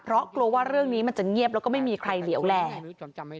เพราะกลัวว่าเรื่องนี้มันจะเงียบแล้วก็ไม่มีใครเหลวแหล่